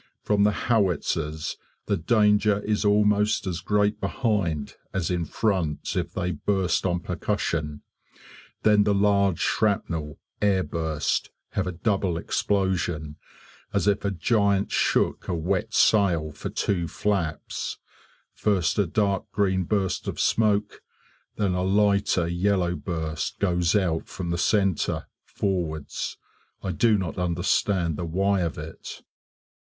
From the howitzers, the danger is almost as great behind as in front if they burst on percussion. Then the large shrapnel air burst have a double explosion, as if a giant shook a wet sail for two flaps; first a dark green burst of smoke; then a lighter yellow burst goes out from the centre, forwards. I do not understand the why of it.